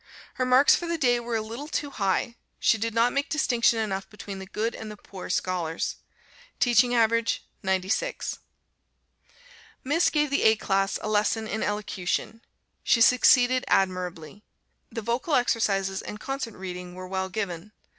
Her marks for the day were a little too high; she did not make distinction enough between the good and the poor scholars. Teaching average, 96. Miss gave the A class a lesson in Elocution. She succeeded admirably. The vocal exercises and concert reading were well given.